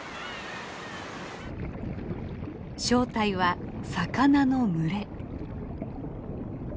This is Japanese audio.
正体は魚の群れ。